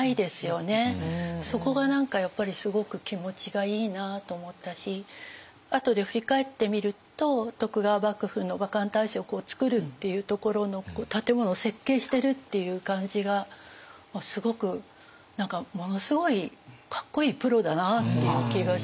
そこが何かやっぱりすごく気持ちがいいなと思ったしあとで振り返ってみると徳川幕府の幕藩体制を作るっていうところの建物を設計してるっていう感じがすごく何かものすごいかっこいいプロだなっていう気がしました。